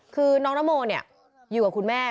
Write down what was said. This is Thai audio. คือน้องนโมอยู่กับคุณแม่